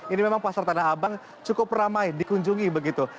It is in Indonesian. ini memang pasar tanah abang cukup ramai dikunjungi begitu